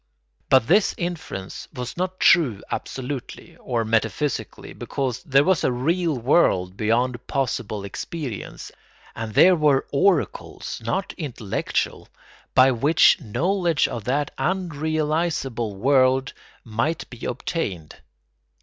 But this inference was not true absolutely or metaphysically because there was a real world beyond possible experience, and there were oracles, not intellectual, by which knowledge of that unrealisable world might be obtained.